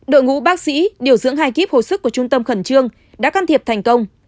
đội ngũ bác sĩ điều dưỡng hai kíp hồi sức của trung tâm khẩn trương đã can thiệp thành công